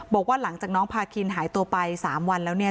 บอกว่าหลังจากน้องพาคินหายตัวไป๓วันแล้วเนี่ย